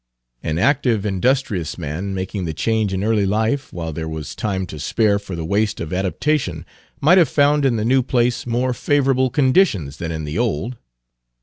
An active, industrious man, making the change in early life, while there was time to spare for the waste of adaptation, might have found in the new place more favorable conditions than in the old.